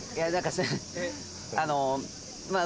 あのまあ